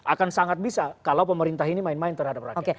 akan sangat bisa kalau pemerintah ini main main terhadap rakyat